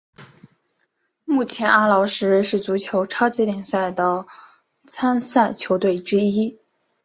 目前阿劳是瑞士足球超级联赛的参赛球队之一。